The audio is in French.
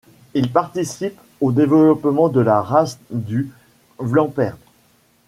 Il participe au développement de la race du Vlaamperd.